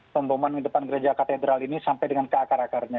pemboman di depan gereja katedral ini sampai dengan ke akar akarnya